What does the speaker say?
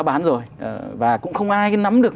bán rồi và cũng không ai nắm được